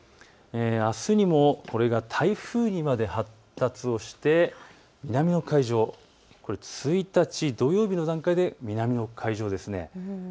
あすにもこれが台風にまで発達をして南の海上を１日土曜日の段階で南の海上ですね。